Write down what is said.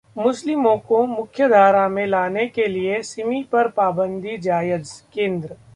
मुस्लिमों को मुख्यधारा में लाने के लिए सिमी पर पाबंदी जायज: केन्द्र